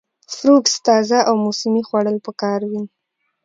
فروټس تازه او موسمي خوړل پکار وي -